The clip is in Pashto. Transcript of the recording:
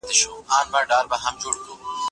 سمدستي به ټولي سر سوې په خوړلو